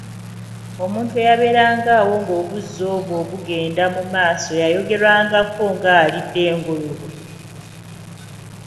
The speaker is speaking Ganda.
Omuntu eyabeerangawo ng’obuzi obwo bugenda mu maaso yayogerwangako ng’alidde engobolo.